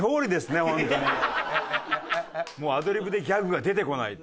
もうアドリブでギャグが出てこない。